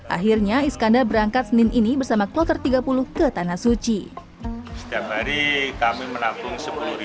akhirnya iskandar berangkat senin ini bersama kloter tiga puluh ke tanah suci setiap hari kami menabung